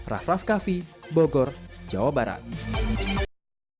sehingga dapat mengukur kadar alkohol dengan tepat